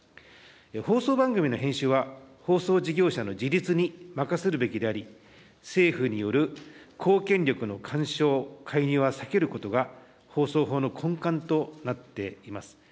放送番組の編集は放送事業者の自律に任せるべきであり、政府による公権力の干渉、介入は避けることが放送法の根幹となっています。